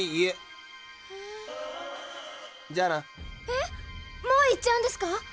えっもう行っちゃうんですか？